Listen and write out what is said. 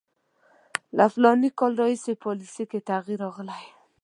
له فلاني کال راهیسې پالیسي کې تغییر راغلی.